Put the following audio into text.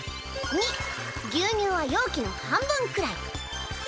２牛乳は容器の半分くらい。